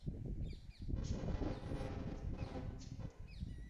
明摹刻黄庭坚云亭宴集诗碑的历史年代为明代。